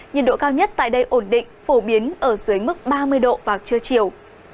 nhiệt độ cao nhất tại đây ổn định phổ biến ở dưới mức ba mươi độ vào trưa chiều